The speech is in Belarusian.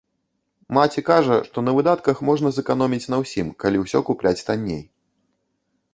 Маці кажа, што на выдатках можна зэканоміць на ўсім, калі ўсе купляць танней.